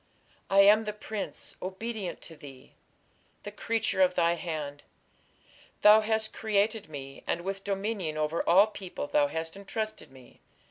I am the prince, obedient to thee, The creature of thy hand; Thou hast created me, and With dominion over all people Thou hast entrusted me.